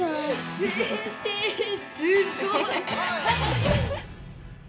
先生すっごい！